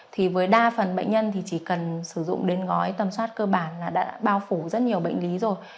thì với đa phần bệnh nhân thì chỉ cần sử dụng đến gói tầm soát cơ bản là đã bao phủ rất nhiều bệnh lý rồi